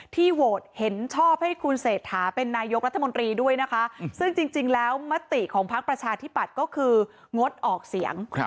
โหวตเห็นชอบให้คุณเศรษฐาเป็นนายกรัฐมนตรีด้วยนะคะซึ่งจริงแล้วมติของพักประชาธิปัตย์ก็คืองดออกเสียง